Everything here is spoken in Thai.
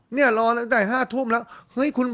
นี่รอตั้งแต่๕ทุ่มแล้ว